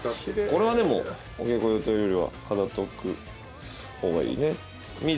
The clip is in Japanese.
これはでもお稽古用というよりは飾っとく方がいいね。